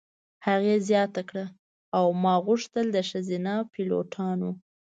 هغې زیاته کړه: "او ما غوښتل د ښځینه پیلوټانو.